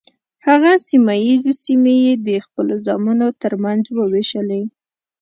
هغه سیمه ییزې سیمې یې د خپلو زامنو تر منځ وویشلې.